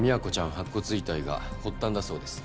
白骨遺体が発端だそうです。